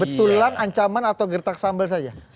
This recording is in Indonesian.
betulan ancaman atau gertak sambal saja